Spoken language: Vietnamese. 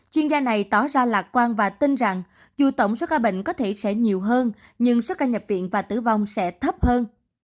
chuyên gia này tỏ ra lạc quan và tin rằng dù tổng số ca bệnh có thể sẽ nhiều hơn nhưng số ca nhập viện và tử vong sẽ thấp hơn